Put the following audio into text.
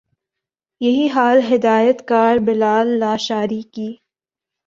یہی حال ہدایت کار بلال لاشاری کی